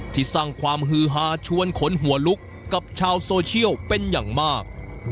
สร้างความฮือฮาชวนขนหัวลุกกับชาวโซเชียลเป็นอย่างมาก